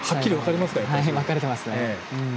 分かれてますね。